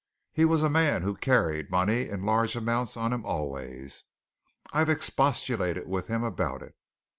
He was a man who carried money in large amounts on him always I've expostulated with him about it.